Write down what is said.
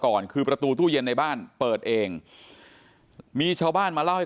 ก่อนคือประตูตู้เย็นในบ้านเปิดเองมีชาวบ้านมาเล่าให้